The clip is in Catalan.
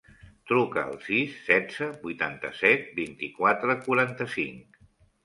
Truca al sis, setze, vuitanta-set, vint-i-quatre, quaranta-cinc.